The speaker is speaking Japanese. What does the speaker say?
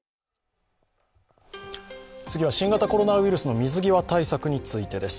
次は新型コロナウイルスの水際対策についてです。